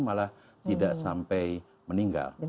malah tidak sampai meninggal